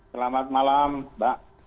selamat malam mbak